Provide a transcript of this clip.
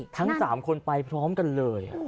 ทั้ง๓คนไปพร้อมกันเลย